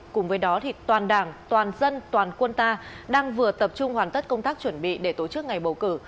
cùng với đó toàn đảng toàn dân toàn quân ta đang vừa tập trung hoàn tất công tác chuẩn bị để tổ chức ngày bầu cử